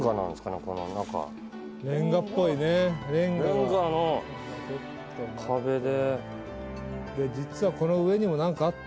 レンガの壁で。